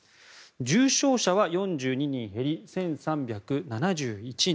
重症者は４２人減り１３７１人。